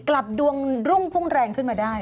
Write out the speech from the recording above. กลับดวงรุ่งพุ่งแรงขึ้นมาได้